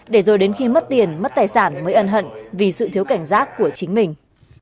để rồi đến khi mất tiền mất tài sản mới ân hận vì sự thiếu cảnh giác của chính mình